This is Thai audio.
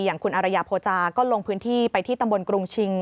อย่างคุณอารยาโภจาก็ลงพื้นที่ไปที่ตำบลกรุงชิง